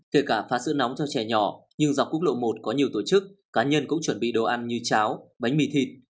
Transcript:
kể cả phá sự nóng cho trẻ nhỏ nhưng dọc quốc lộ một có nhiều tổ chức cá nhân cũng chuẩn bị đồ ăn như cháo bánh mì thịt